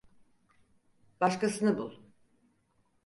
Başkasını bul.